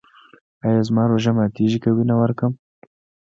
ایا زما روژه ماتیږي که وینه ورکړم؟